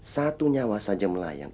satu nyawa saja melayang